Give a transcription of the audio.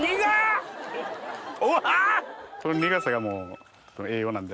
この苦さがもう栄養なんで。